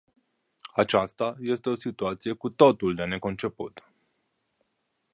Aceasta este o situație cu totul de neconceput.